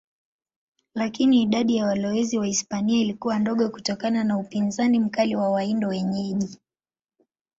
Lakini idadi ya walowezi Wahispania ilikuwa ndogo kutokana na upinzani mkali wa Waindio wenyeji.